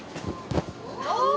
お！